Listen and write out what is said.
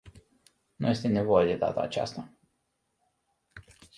Nu este nevoie de data aceasta.